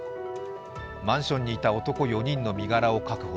そしてマンションにいた男４人の身柄を確保。